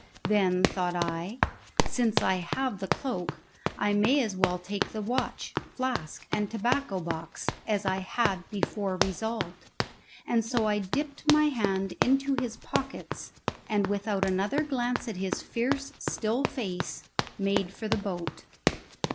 Then, thought I, since I have the cloak I may as well take the watch, flask, and tobacco box, as I had before resolved; and so I dipped my hand into his pockets, and without another glance at his fierce still face made for the boat.